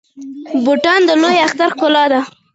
بوټونه د لوی اختر ښکلا ده.